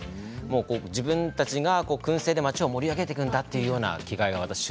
自分たちが、くん製で町を盛り上げていくんだというような気概を感じました。